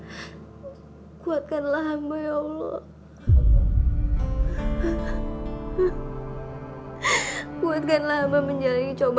ini kecemasan masalah ke biolee eerste dachte qualcosa